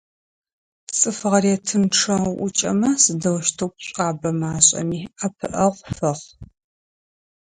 ЦӀыф гъэретынчъэ уӀукӀэмэ, сыдэущтэу пшӀуабэ машӀэми, ӀэпыӀэгъу фэхъу.